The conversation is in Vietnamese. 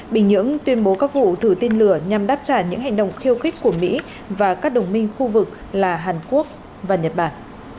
bình nhưỡng tuyên bố các vụ thử tên lửa nhằm đáp trả những hành động khiêu khích của mỹ và các đồng minh khu vực là hàn quốc và nhật bản